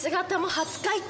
初解禁！